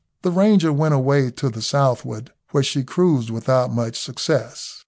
The Ranger went away to the southward, where she cruised without much success.